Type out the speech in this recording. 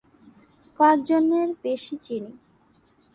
কয়েকজনের বেশি চিনি।